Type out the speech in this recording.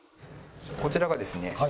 こちらがですね